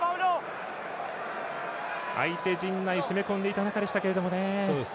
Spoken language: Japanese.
相手陣内攻め込んでいた中でしたけどね。